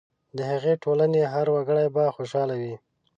د هغې ټولنې هر وګړی به خوشاله وي.